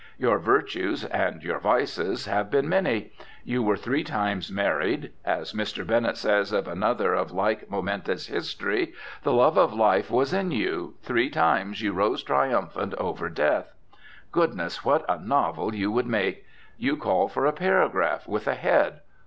Your virtues (and your vices) have been many. You were three times married. As Mr. Bennett says of another of like momentous history, the love of life was in you, three times you rose triumphant over death. Goodness! what a novel you would make. You call for a paragraph, with a head.